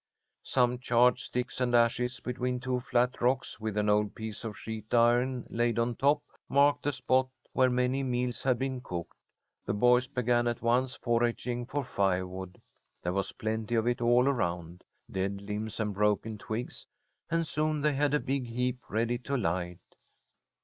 Some charred sticks and ashes between two flat rocks, with an old piece of sheet iron laid on top, marked the spot where many meals had been cooked. The boys began at once foraging for firewood. There was plenty of it all around, dead limbs and broken twigs, and soon they had a big heap ready to light.